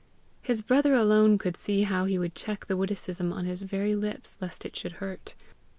His brother alone could see how he would check the witticism on his very lips lest it should hurt.